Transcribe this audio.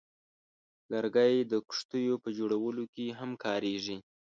لرګی د کښتیو په جوړولو کې هم کارېږي.